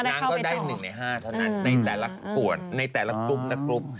นางก็ได้๑ใน๕เท่านั้นในแต่ละกรุ๊ป